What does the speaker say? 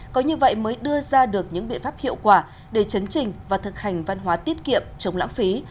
có như vậy mới đưa ra được những biện pháp hiệu quả để chấn trình và thực hành văn hóa tiết kiệm chống lãng phí